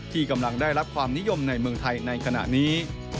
ที่กำลังได้รับความนิยมในเมืองไทยในขณะนี้